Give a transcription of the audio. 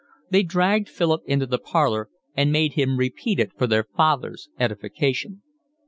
They dragged Philip into the parlour and made him repeat it for their father's edification.